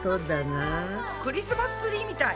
クリスマスツリーみたい。